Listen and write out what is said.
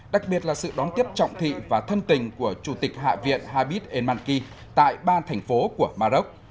đặc biệt là sự đón tiếp trọng thị và thân tình của chủ tịch hạ viện habit enmaki tại ba thành phố của maroc